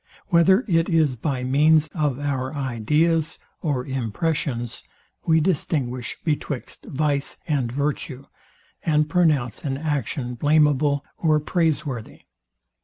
WHETHER IT IS BY MEANS OF OUR IDEAS OR IMPRESSIONS WE DISTINGUISH BETWIXT VICE AND VIRTUE, AND PRONOUNCE AN ACTION BLAMEABLE OR PRAISEWORTHY?